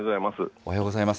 おはようございます。